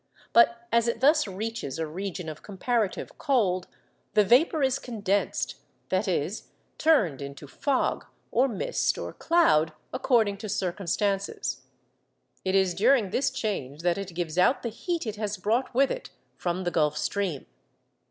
But as it thus reaches a region of comparative cold, the vapour is condensed—that is, turned into fog, or mist, or cloud, according to circumstances. It is during this change that it gives out the heat it has brought with it from the Gulf Stream.